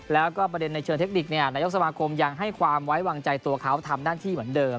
แล้วก็ประเด็นในเชิงเทคนิคนายกสมาคมยังให้ความไว้วางใจตัวเขาทำหน้าที่เหมือนเดิม